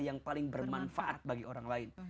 yang paling bermanfaat bagi orang lain